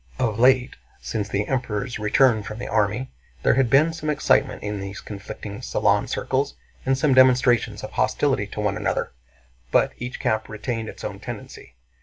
Of late, since the Emperor's return from the army, there had been some excitement in these conflicting salon circles and some demonstrations of hostility to one another, but each camp retained its own tendency.